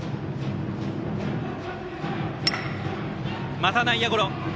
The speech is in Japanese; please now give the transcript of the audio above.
また内野ゴロ。